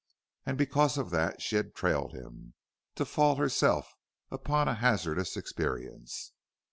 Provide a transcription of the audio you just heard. And because of that she had trailed him, to fall herself upon a hazardous experience.